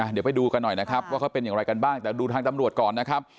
เดี๋ยวไปดูกันหน่อยนะครับว่าเขาเป็นอย่างไรกันบ้างแต่ดูทางตำรวจก่อนนะครับ